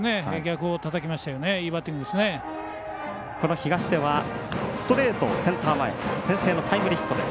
東出はストレートをセンター前先制のタイムリーヒットです。